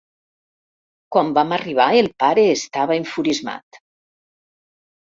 Quan vam arribar el pare estava enfurismat.